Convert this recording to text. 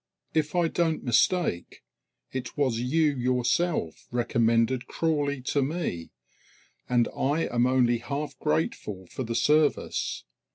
If I don't mistake, it was you yourself recommended Crawley to me, and I am only half grateful for the service.